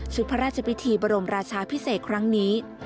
พระราชพิธีบรมราชาพิเศษครั้งนี้